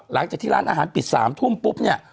หลังจากที่ร้านอาหารปิด๓ทุ่มปุ๊บเนี่ย